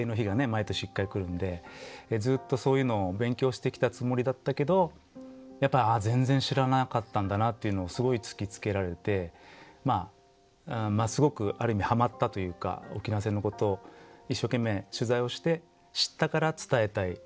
毎年１回来るんでずっとそういうのを勉強してきたつもりだったけどやっぱ全然知らなかったんだなっていうのをすごい突きつけられてすごくある意味はまったというか沖縄戦のことを一生懸命取材をして知ったから伝えたい。